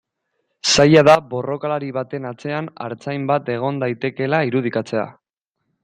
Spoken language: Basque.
Zaila da borrokalari baten atzean artzain bat egon daitekeela irudikatzea.